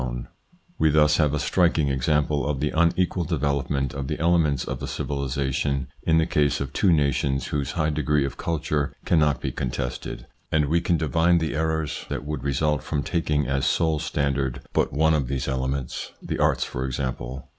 ITS INFLUENCE ON THEIR EVOLUTION 67 We thus have a striking example of the unequal development of the elements of a civilisation in the case of two nations whose high degree of culture cannot be contested, and we can divine the errors that would result from taking as sole standard but one of these elements the arts for example.